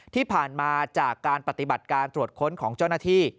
ที่ผ่านมาจากการปฏิบัติการตรวจค้นของเจ้าหน้าที่